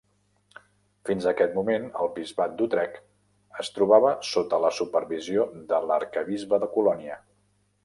Fins aquest moment, el Bisbat d'Utrecht es trobava sota la supervisió de l'arquebisbe de Colònia.